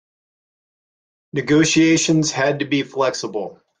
Negotiations had to be flexible.